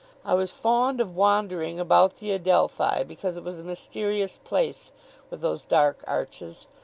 I was fond of wandering about the Adelphi, because it was a mysterious place, with those dark arches.